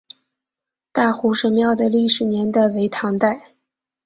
大湖神庙的历史年代为唐代。